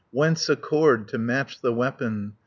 Whence a cord to match the weapon?